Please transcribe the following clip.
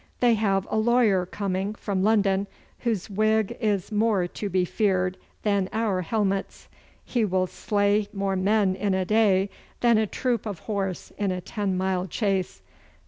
They have a lawyer coming from London whose wig is more to be feared than our helmets. He will slay more men in a day than a troop of horse in a ten mile chase.